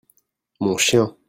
Mon chien.